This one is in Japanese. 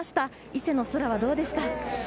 伊勢の空はどうでした？